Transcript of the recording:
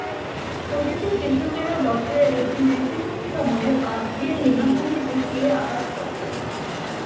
অতীতে কৃষকেরা বছরের একটি নির্দিষ্ট সময়ে বাঁধ দিয়ে লোনাপানি ঠেকিয়ে আবাদ করতেন।